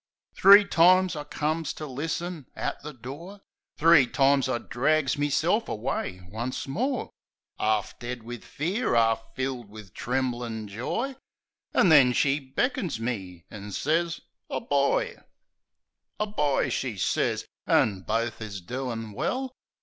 Three times I comes to listen at the door; Three times I drags meself away once more; 'Arf dead wiv fear; 'arf filled wiv tremblin' joy An' then she beckons me, an' sez — "A boy!" "A boy!" she sez. "An' bofe is doin' well!"